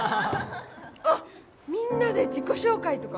あっみんなで自己紹介とか？